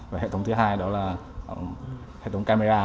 và hệ thống thứ hai đó là hệ thống camera